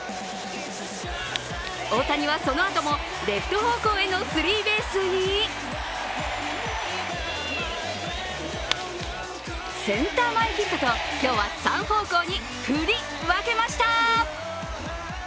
大谷はそのあともレフト方向へのスリーベースにセンター前ヒットと今日は３方向に振り分けました。